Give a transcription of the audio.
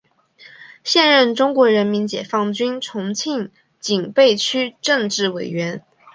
现任中国人民解放军重庆警备区政治委员。